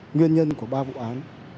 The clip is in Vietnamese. nguyên nhân của ba vụ án